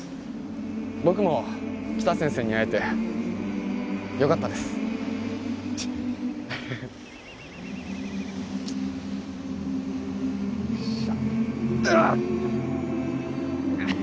僕も北先生に会えてよかったですよっしゃ